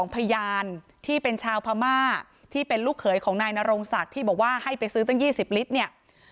พยานที่เป็นชาวพม่าที่เป็นลูกเขยของนายนรงศักดิ์ที่บอกว่าให้ไปซื้อตั้ง๒๐ลิตรเนี่ย